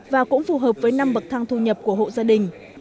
và cũng phù hợp với năm bậc thang thu nhập của hộ gia đình